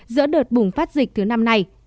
giữa đợt bùng phát dịch thứ năm này